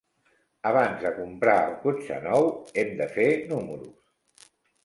Abans de comprar el cotxe nou, hem de fer números.